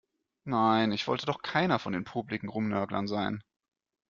Nein, ich wollte doch keiner von den popeligen Rumnörglern sein.